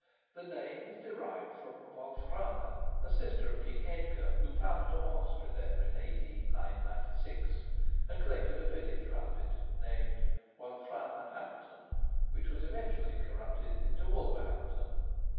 The name is derived from Walfrana, a sister of King Edgar, who founded a monastery there in A.D. 996, and collected a village round it named Walfrana Hampton, which was eventually corrupted into Wolverhampton.